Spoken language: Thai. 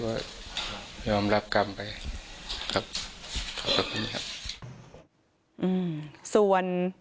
ก็ยอมรับกรรมไปครับขอขอบคุณครับอืมส่วน